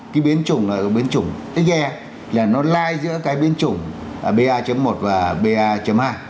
cái biến chủng là biến chủng xe là nó lại giữa cái biến chủng ba một và ba hai